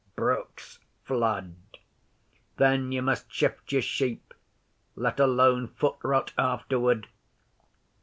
'Brooks flood. Then you must shift your sheep let alone foot rot afterward.